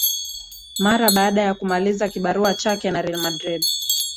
mara baada ya kumaliza kibarua chake na real madrid